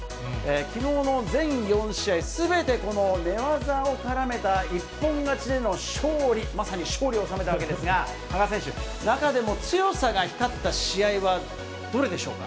きのうの全４試合、すべてこの寝技を絡めた一本勝ちでの勝利、まさに勝利を収めたわけですが、羽賀選手、中でも強さが光った試合はどれでしょうか？